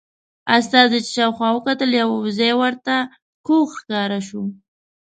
استازي چې شاوخوا وکتل یو ځای ورته کوږ ښکاره شو.